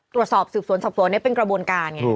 ตรวจสอบสืบสวนสอบสวนเป็นกระบวนการไง